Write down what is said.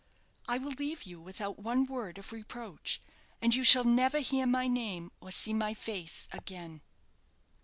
I will leave you without one word of reproach, and you shall never hear my name, or see my face again."